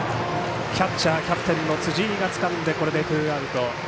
キャッチャー、キャプテンの辻井がつかんでこれでツーアウト。